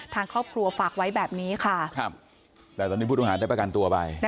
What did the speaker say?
ทางครอบครัวฝากไว้แบบนี้ค่ะ